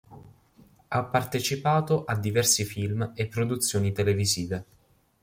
Ha partecipato a diversi film e produzioni televisive.